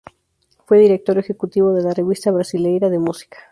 Fue director ejecutivo de la Revista Brasileira de Música.